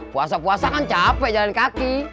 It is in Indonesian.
puasa puasa kan capek jalan kaki